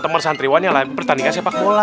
temen temen santriwan yang pertandingan sepak bola